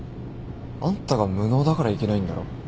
あんたが無能だからいけないんだろ？